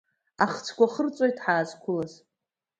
Ахцәқәа хырҵәоит ҳаазқәылаз…